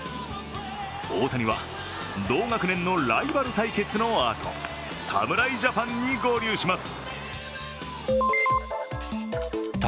大谷は同学年のライバル対決のあと侍ジャパンに合流します。